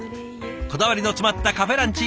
こだわりの詰まったカフェランチ